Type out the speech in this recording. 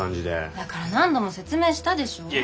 だから何度も説明したでしょ？